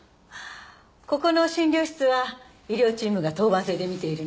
ここの診療室は医療チームが当番制で診ているの。